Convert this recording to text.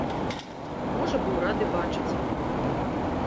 Можа быў рады бачыць.